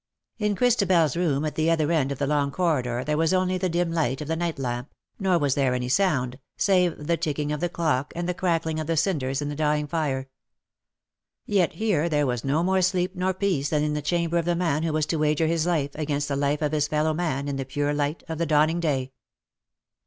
^^ In ChristabeFs room at the other end of the long corridor there was only the dim light of the night lamp, nor was there any sound, save the ticking of the clock and the crackling of the cinders in the dying fire. Yet here there was no more sleep nor peace than in the chamber of the man who was to wager his life against the life of his fellow man in the pure light of the dawning day.